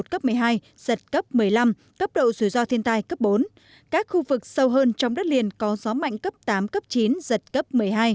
cấp một mươi hai giật cấp một mươi năm cấp độ rủi ro thiên tai cấp bốn các khu vực sâu hơn trong đất liền có gió mạnh cấp tám cấp chín giật cấp một mươi hai